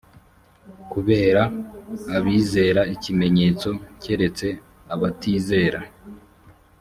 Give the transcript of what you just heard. kubera abizera ikimenyetso keretse abatizera